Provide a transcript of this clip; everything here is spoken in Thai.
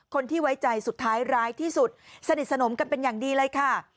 คนที่ไว้ใจสุดท้ายร้ายที่สุดสนิทสนมกันเป็นอย่างดีเลยค่ะ